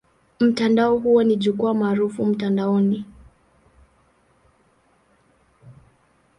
Mtandao huo ni jukwaa maarufu mtandaoni.